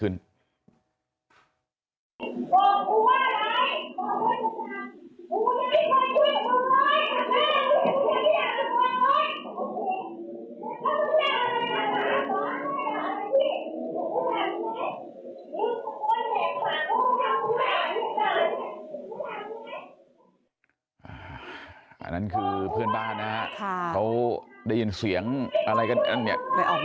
อันนั้นคือเพื่อนบ้านนะฮะเขาได้ยินเสียงอะไรกันเนี่ย